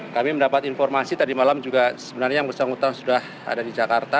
kami mendapat informasi tadi malam juga sebenarnya yang bersangkutan sudah ada di jakarta